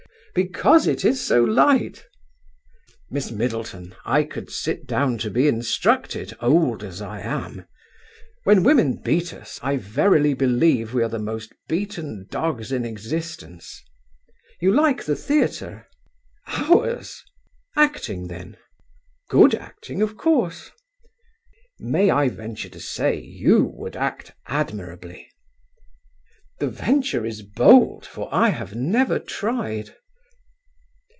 "Because it is so light." "Miss Middleton, I could sit down to be instructed, old as I am. When women beat us, I verily believe we are the most beaten dogs in existence. You like the theatre?" "Ours?" "Acting, then." "Good acting, of course." "May I venture to say you would act admirably?" "The venture is bold, for I have never tried."